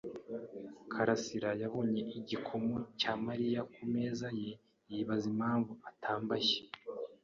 karasira yabonye igikomo cya Mariya ku meza ye yibaza impamvu atambaye.